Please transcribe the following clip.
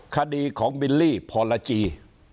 คดีของบิลลี่พรจี